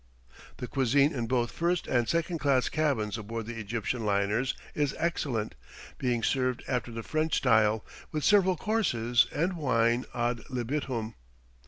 The cuisine in both first and second class cabins aboard the Egyptian liners is excellent, being served after the French style, with several courses and wine ad libitum.